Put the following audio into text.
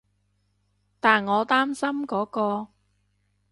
但我擔心嗰個